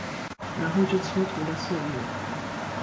然后就蹉跎了岁月